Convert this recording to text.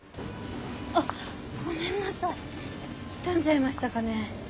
傷んじゃいましたかね。